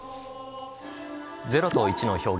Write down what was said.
０と１の表現